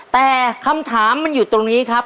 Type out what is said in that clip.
แต่คำถามมันอยู่ตรงนี้ครับ